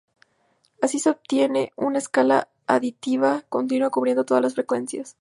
Así se obtiene una escala aditiva continua cubriendo todas las frecuencias.